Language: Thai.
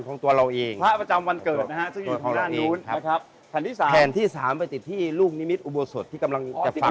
แผ่นที่๓ไปติดที่ลูกนิมิตอุโบสถที่กำลังจะฟังอยู่